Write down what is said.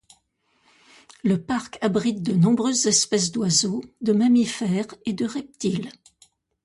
Le parc abrite de nombreuses espèces d'oiseaux, de mammifères et de reptiles.